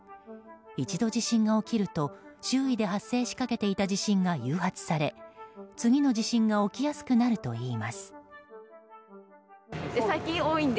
一度、地震が起きると周囲で発生しかけていた地震が誘発され次の地震が起きやすくなるといいます。